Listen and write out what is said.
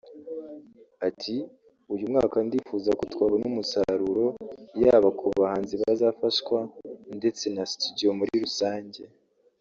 Ati “ Uyu mwaka ndifuza ko twabona umusaruro yaba ku bahanzi bazafashwa ndetse na studio muri rusange